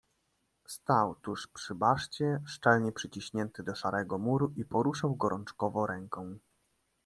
"Stał tuż przy baszcie, szczelnie przyciśnięty do szarego muru i poruszał gorączkowo ręką."